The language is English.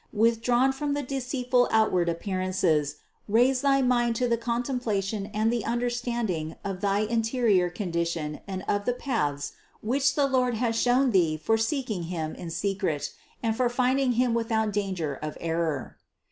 Withdrawn from the deceitful outward appearances, raise thy mind to the contemplation and the understanding of thy interior condition and of the paths, which the Lord has shown thee for seeking Him in secret and for finding Him with 610 CITY OF GOD out danger of error.